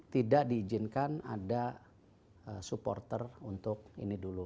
tidak diizinkan ada supporter untuk ini dulu